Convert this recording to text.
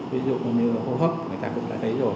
ví dụ như là hô hấp người ta cũng đã thấy rồi